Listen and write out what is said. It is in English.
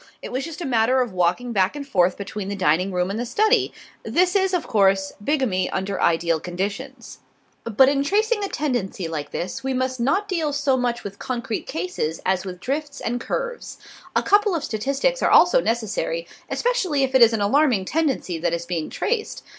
It was just a matter of walking back and forth between the dining room and the study. This is, of course, bigamy under ideal conditions. But in tracing a tendency like this, we must not deal so much with concrete cases as with drifts and curves. A couple of statistics are also necessary, especially if it is an alarming tendency that is being traced.